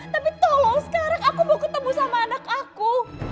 tapi tolong sekarang aku mau ketemu sama anak aku